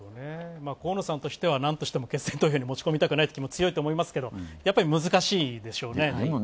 河野さんとしてはなんとしても決選投票に持ち込みたくないという気持ちも強いでしょうけどやっぱり、難しいでしょうね。